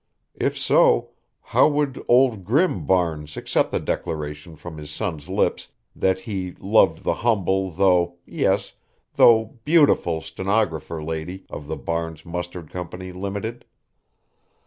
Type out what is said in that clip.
If so, how would Old Grim Barnes accept the declaration from his son's lips that he loved the humble though, yes, though beautiful stenographer lady of the Barnes Mustard Company, Limited?